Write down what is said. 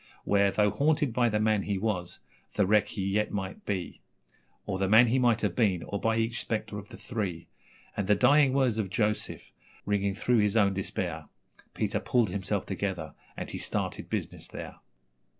Where, though haunted by the man he was, the wreck he yet might be, Or the man he might have been, or by each spectre of the three, And the dying words of Joseph, ringing through his own despair, Peter 'pulled himself together' and he started business there.